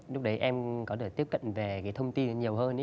lúc đấy em có thể tiếp cận về cái thông tin nhiều hơn